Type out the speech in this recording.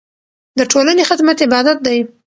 د ټولنې خدمت عبادت دی.